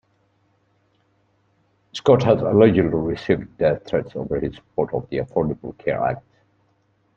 Scott has allegedly received death threats over his support of the Affordable Care Act.